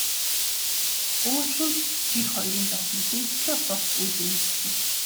Өөр хэн ч тэр хоёрын зовлонд тэгтлээ хурц үл эмзэглэнэ.